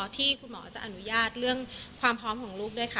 ที่คุณหมอจะอนุญาตเรื่องความพร้อมของลูกด้วยค่ะ